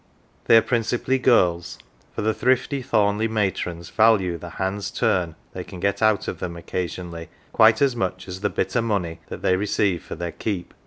They are principally girls, for the thrifty Thornleigh matrons value the "hand's turn" they can get out of them occasionally quite as much as " the bit o 1 money " that they receive for their keep.